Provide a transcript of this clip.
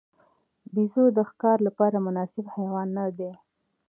بیزو د ښکار لپاره مناسب حیوان نه دی.